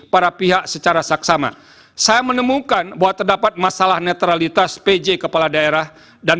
para pihak secara saksama saya menemukan bahwa terdapat masalah netralitas pj kepala daerah dan